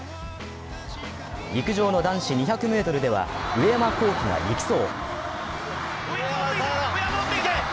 陸上の男子２００ｍでは上山紘輝が力走。